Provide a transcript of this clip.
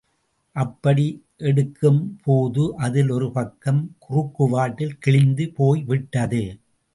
அப்படி எடுக்கும்போது அதில் ஒரு பக்கம் குறுக்குவாட்டில் கிழிந்து போய் விட்டது.